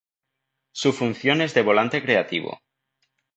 Su función es de volante creativo.